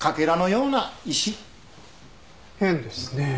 変ですねえ。